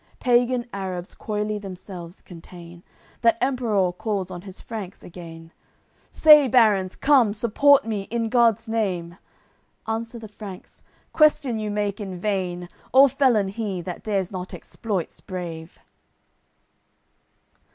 Pagan Arabs coyly themselves contain; That Emperour calls on his Franks again: "Say, barons, come, support me, in God's Name!" Answer the Franks, "Question you make in vain; All felon he that dares not exploits brave!"